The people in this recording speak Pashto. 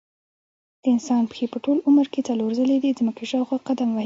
د انسان پښې په ټول عمر کې څلور ځلې د ځمکې شاوخوا قدم وهي.